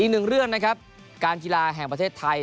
หนึ่งเรื่องนะครับการกีฬาแห่งประเทศไทย